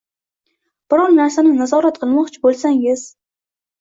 Biror narsani nazorat qilmoqchi bo‘lsangiz